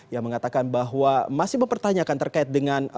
yang mengatakan bahwa masih mempertanyakan terkait dengan